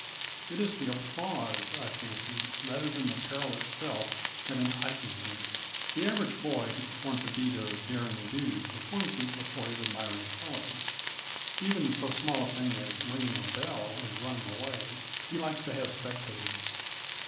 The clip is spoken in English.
It is the applause, I fancy, rather than the peril itself, that entices them. The average boy who performs a deed of derring do performs it before his admiring fellows. Even in so small a thing as ringing a bell and running away he likes to have spectators.